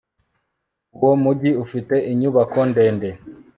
uwo mujyi ufite inyubako ndende